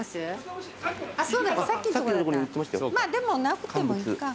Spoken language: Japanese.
まぁでもなくてもいいか。